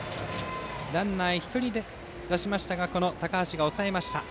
ランナー、１人出しましたが高橋が抑えました。